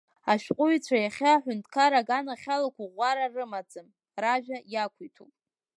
Ашәҟәыҩҩцәа иахьа аҳәынҭқарра аганахьала қәыӷәӷәара рымаӡам, ражәа иақәиҭуп.